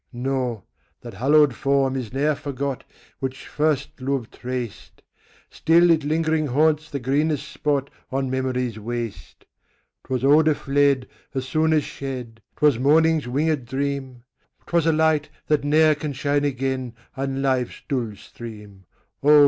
No, that hallowed form is ne'er forgot Which first love traced; Still it lingering haunts the greenest spot On memory's waste. 'Twas odor fled As soon as shed; 'Twas morning's winged dream; 'Twas a light, that ne'er can shine again On life's dull stream: Oh!